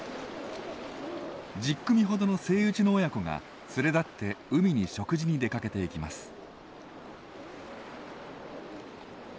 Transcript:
１０組ほどのセイウチの親子が連れ立って海に食事に出かけていきます。